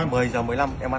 mấy giờ ăn